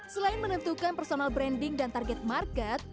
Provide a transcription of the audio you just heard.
selain menentukan personal branding dan target market